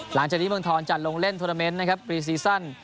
หลังจากนี้เมืองทองจัดลงเล่นโทรเมนต์นะครับรีซีซั่น